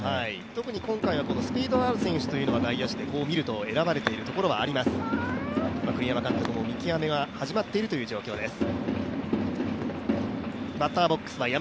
特に今回はスピードがある選手が外野手で見ると選ばれているところがあります、栗山監督の見極めは始まっているという状況です。